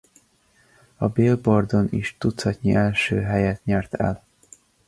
A Billboardon is tucatnyi első helyet nyert el.